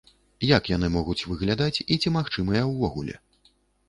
Як яны могуць выглядаць і ці магчымыя ўвогуле?